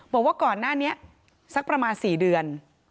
บอกว่าก่อนหน้านี้สักประมาณ๔เดือน